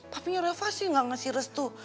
papinya reva sih gak nge serious tuh